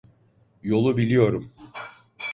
Yolu biliyorum.